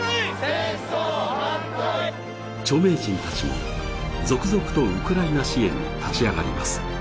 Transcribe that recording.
著名人たちも続々とウクライナ支援に立ち上がります。